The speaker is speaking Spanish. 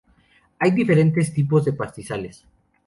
Hay diferentes tipos de pastizales.